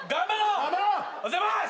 おはようございます！